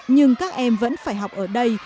nhưng các em vẫn phải học ở đây